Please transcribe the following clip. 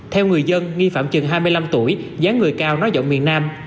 theo người dân nghi phạm chừng hai mươi năm tuổi gián người cao nói giọng miền nam